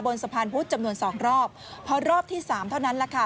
บนสะพานพุธจำนวน๒รอบเพราะรอบที่๓เท่านั้นละค่ะ